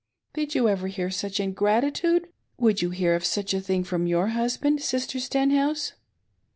Did you ever hear of such ingratitude? Would you hear of such a thing from ^ouf husband. Sister Stenhouse?"